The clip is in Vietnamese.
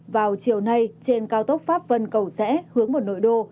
vào chiều nay trên cao tốc pháp vân cầu sẽ hướng một nội đô